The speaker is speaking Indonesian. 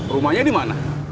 rumahnya di mana